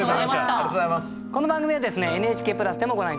この番組はですねＮＨＫプラスでもご覧頂けます。